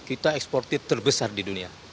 kita ekspor tip terbesar di dunia